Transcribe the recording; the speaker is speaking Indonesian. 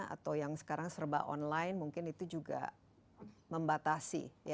atau yang sekarang serba online mungkin itu juga membatasi